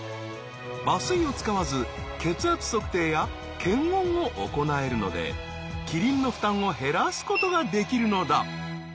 麻酔を使わず血圧測定や検温を行えるのでキリンの負担を減らすことができるのだ。